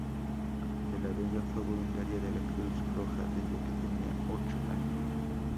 De la Vega fue voluntaria de la Cruz Roja desde que tenía ocho años.